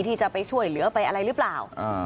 ที่จะไปช่วยเหลือไปอะไรหรือเปล่า